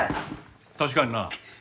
確かにな